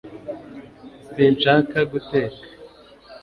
sinshaka guteka